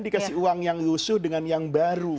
dikasih uang yang lusuh dengan yang baru